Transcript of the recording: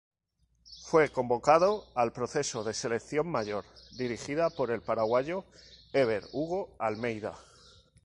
Fue convocado al proceso de selección mayor, dirigida por el paraguayo Ever Hugo Almeida.